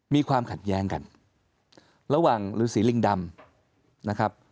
มีความขัดแย้งกันระหว่างฤษีลิงดำนะครับ